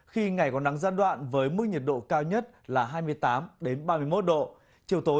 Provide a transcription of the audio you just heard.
khi ngày có nắng gián đoạn với mức nhiệt độ cao nhất là hai mươi tám ba mươi một độ